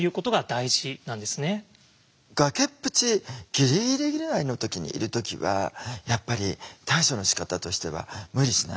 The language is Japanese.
崖っぷちギリギリぐらいの時にいる時はやっぱり対処のしかたとしては無理しないほうがいいと思うんです。